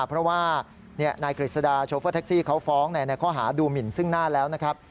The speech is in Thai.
เพราะว่านายกฤษฎาโชเฟอร์แท็กซี่เขาฟ้องในข้อหาดูหมินซึ่งหน้าแล้วนะครับ